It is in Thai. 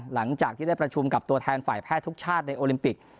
หลังจากที่ได้ประชุมกับตัวแทนฝ่ายแพทย์ทุกชาติในโอลิมปิก